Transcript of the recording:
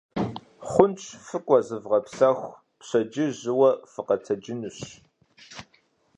Хъунщ, фыкӀуэ, зывгъэпсэху, пщэдджыжь жьыуэ фыкъэтэджынущ.